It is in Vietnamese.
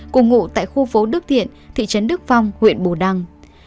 cùng ngụ tại khu phố đức thiện thị trấn đức phong huyện bù đăng